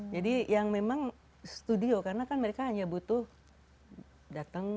jadi yang memang studio karena kan mereka hanya butuh datang